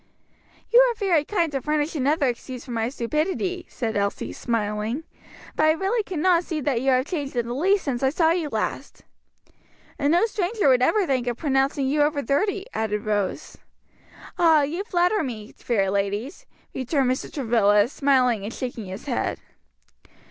"You are very kind to furnish another excuse for my stupidity," said Elsie, smiling, "but I really cannot see that you have changed in the least since I saw you last." "And no stranger would ever think of pronouncing you over thirty," added Rose. "Ah, you flatter me, fair ladies," returned Mr. Travilla, smiling and shaking his head.